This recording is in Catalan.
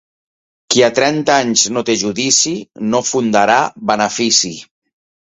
Qui a trenta anys no té judici, no fundarà benefici.